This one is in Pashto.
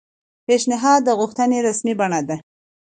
پیشنھاد د غوښتنې رسمي بڼه ده